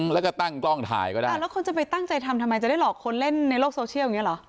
แล้วก็ตั้งกล้องถ่ายก็ได้แล้วคนจะไปตั้งใจทำทำไมจะได้หลอกคนเล่นในโลกโซเชียลอย่างนี้เหรอ